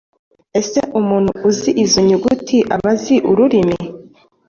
Ese umuntu uzi izo nyuguti aba azi ururimi